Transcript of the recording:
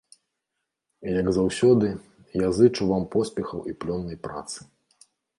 Як заўсёды, я зычу вам поспехаў і плённай працы.